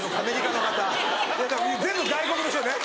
全部外国の人ね。